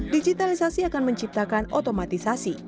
digitalisasi akan menciptakan otomatisasi